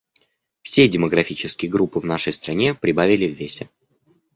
Все демографические группы в нашей стране прибавили в весе.